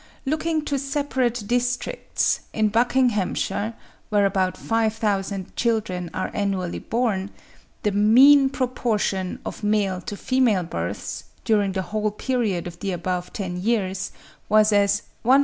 Looking to separate districts, in Buckinghamshire (where about 5000 children are annually born) the MEAN proportion of male to female births, during the whole period of the above ten years, was as 102.